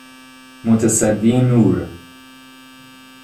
متصدی نور